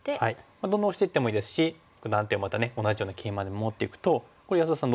どんどんオシていってもいいですし断点をまた同じようなケイマで守っていくとこれ安田さん